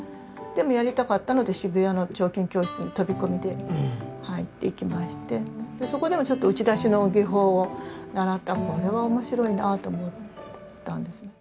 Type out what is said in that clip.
でもやりたかったので渋谷の彫金教室に飛び込みで入っていきましてそこでもちょっと打ち出しの技法を習ってこれは面白いなと思ったんですね。